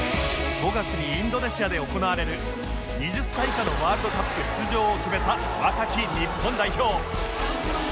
５月にインドネシアで行われる２０歳以下のワールドカップ出場を決めた若き日本代表